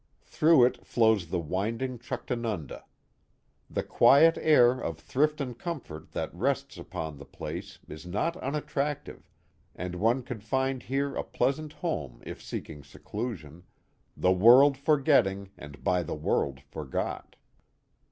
Through it flows the winding Chuctanunda. The quiet air of thrilt and comfort thai rests upon the place is not unattractive, and one could find here a pleasant home if seeking seclusion, the world for getting and by the world forgot.